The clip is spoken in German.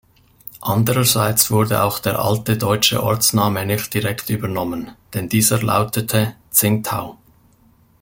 Andererseits wurde auch der alte deutsche Ortsname nicht direkt übernommen, denn dieser lautete "Tsingtau".